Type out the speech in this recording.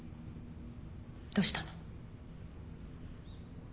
どしたの？